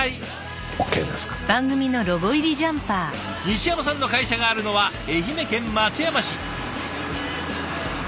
西山さんの会社があるのは愛媛県松山市。